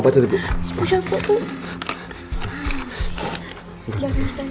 bentar bu entar